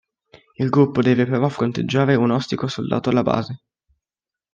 Il gruppo deve però fronteggiare un ostico soldato alla base.